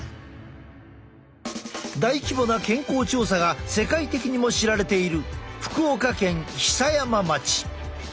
大規模な健康調査が世界的にも知られている福岡県久山町。